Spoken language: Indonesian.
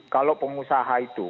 kadang kadang ada pengusaha itu